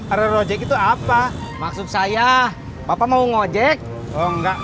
hai ala rojek rojek itu apa maksud saya bapak mau ngajek oh nggak